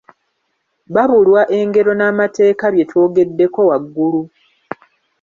Babulwa engero n'amateeka bye twogeddeko waggulu.